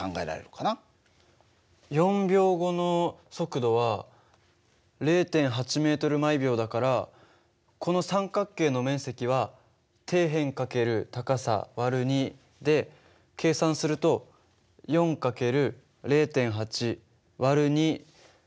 ４秒後の速度は０．８ｍ／ｓだからこの三角形の面積は底辺×高さ÷２で計算するとそうだね。